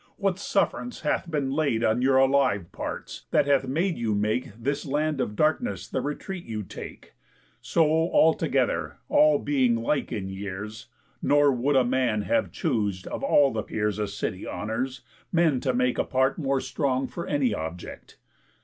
What suff'rance hath been laid On your alive parts that hath made you make This land of darkness the retreat you take, So all together, all being like in years, Nor would a man have choos'd, of all the peers A city honours, men to make a part More strong for any object?